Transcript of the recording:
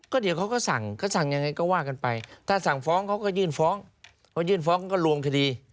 เดี๋ยวเขาก็สั่งเขาสั่งยังไงก็ว่ากันไปถ้าสั่งฟ้องเขาก็ยื่นฟ้องเขายื่นฟ้องก็รวมคดี